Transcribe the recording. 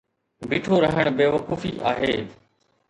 بيٺو رھڻ بيوقوفي آھي.